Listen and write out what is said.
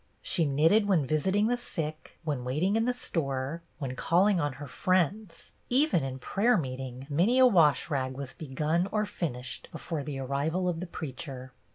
She knitted when visiting the sick, when waiting in the store, when call ing on her friends; even in prayer meeting many a wash rag was begun or finished before the arrival of the preacher.